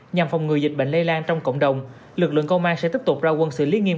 nhằm phòng ngừa dịch bệnh lây lan trong cộng đồng lực lượng công an sẽ tiếp tục ra quân xử lý nghiêm